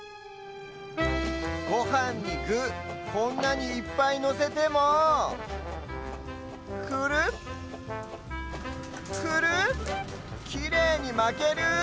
ごはんにぐこんなにいっぱいのせてもクルクルきれいにまける！